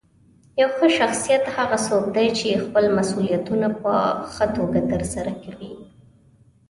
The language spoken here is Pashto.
یو ښه شخصیت هغه څوک دی چې خپل مسؤلیتونه په ښه توګه ترسره کوي.